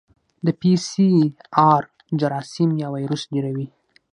د پی سي ار جراثیم یا وایرس ډېروي.